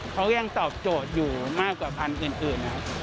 เขายังตอบโจทย์อยู่มากกว่าพันธุ์อื่นนะครับ